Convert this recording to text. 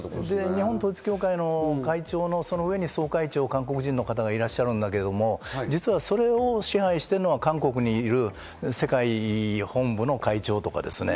日本統一教会の会長の上に総会長の韓国人の方がいらっしゃるんだけど、それを支配してるのが韓国にいる世界本部の会長とかですね。